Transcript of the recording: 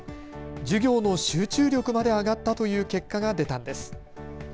授業の集中力まで上がったという結果が出たんです。